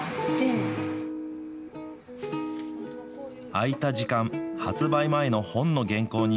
空いた時間発売前の本の原稿に